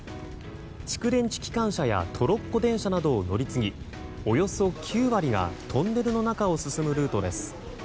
蓄電池機関車やトロッコ電車などを乗り継ぎおよそ９割がトンネルの中を進むルートです。